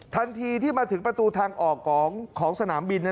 ทันทีที่มาถึงประตูทางออกของสนามบิน